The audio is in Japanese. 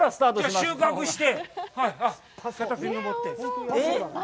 収穫して。